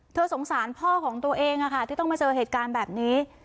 สงสารพ่อของตัวเองที่ต้องมาเจอเหตุการณ์แบบนี้